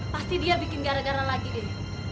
pasti dia bikin gara gara lagi ini